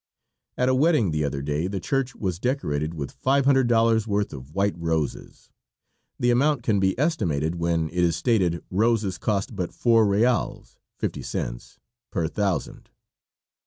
At a wedding the other day the church was decorated with five hundred dollars' worth of white roses. The amount can be estimated when it is stated roses cost but four reals (fifty cents) per thousand.